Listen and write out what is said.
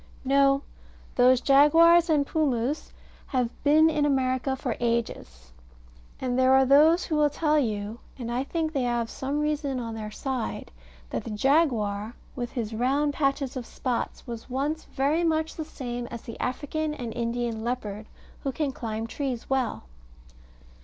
No, those jaguars and pumus have been in America for ages: and there are those who will tell you and I think they have some reason on their side that the jaguar, with his round patches of spots, was once very much the same as the African and Indian leopard, who can climb trees well.